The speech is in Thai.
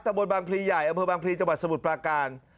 บนบางพลีใหญ่อำเภอบางพลีจังหวัดสมุทรปราการ